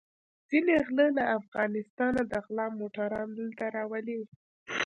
ځينې غله له افغانستانه د غلا موټران دلته راولي.